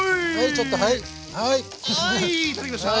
はいいただきました！